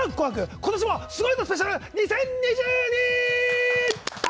今年もすごいぞスペシャル２０２２」！